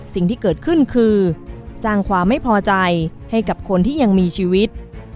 สิ่งที่เกิดขึ้นคือสร้างความไม่พอใจให้กับคนที่ยังมีชีวิต